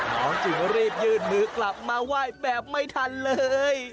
น้องจึงรีบยื่นมือกลับมาไหว้แบบไม่ทันเลย